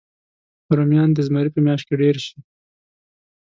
رومیان د زمري په میاشت کې ډېر شي